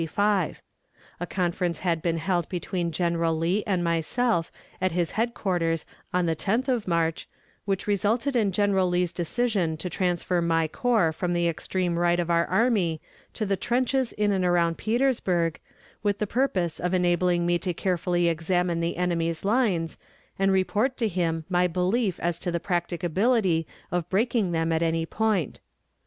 A conference had been held between General Lee and myself at his headquarters the 10th of March, which resulted in General Lee's decision to transfer my corps from the extreme right of our army to the trenches in and around Petersburg, with the purpose of enabling me to carefully examine the enemy's lines, and report to him my belief as to the practicability of breaking them at any point.